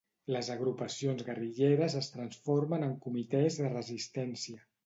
Les Agrupacions Guerrilleres es transformen en Comitès de Resistència.